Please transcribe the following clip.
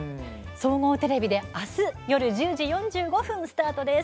総合テレビであす夜１０時４５分スタートです。